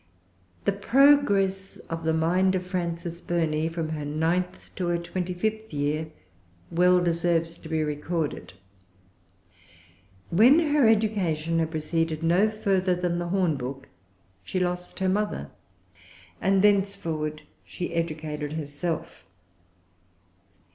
The progress of the mind of Frances Burney, from her ninth to her twenty fifth year, well deserves to be recorded. When her education had proceeded no further than the hornbook, she lost her mother, and thenceforward she educated herself.